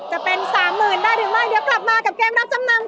จะเป็น๓๐๐๐๐บาทได้ถึงมากเดี๋ยวกลับมากับเกมรับจำนำค่ะ